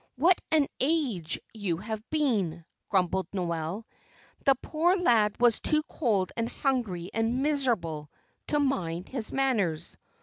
"What an age you have been!" grumbled Noel. The poor lad was too cold and hungry and miserable to mind his manners.